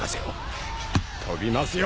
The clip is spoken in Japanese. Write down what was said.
飛びますよ！